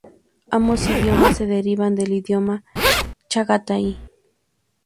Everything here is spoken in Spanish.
Ambos idiomas se derivan del idioma chagatai.